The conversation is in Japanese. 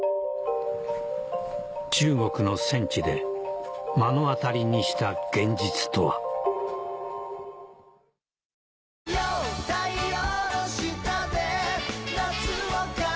中国の戦地で目の当たりにした現実とは東田川郡なんだよ。